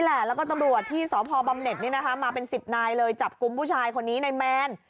แล้วก็ตำรวจที่สพบำเน็ตนี่นะคะมาเป็นสิบนายเลยจับกลุ่มผู้ชายคนนี้ในแมน